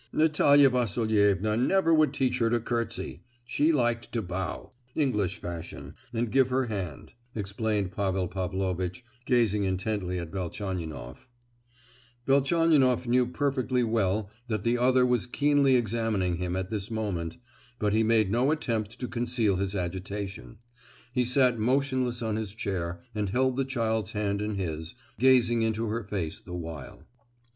"Natalia Vasilievna never would teach her to curtsey; she liked her to bow, English fashion, and give her hand," explained Pavel Pavlovitch, gazing intently at Velchaninoff. Velchaninoff knew perfectly well that the other was keenly examining him at this moment, but he made no attempt to conceal his agitation: he sat motionless on his chair and held the child's hand in his, gazing into her face the while.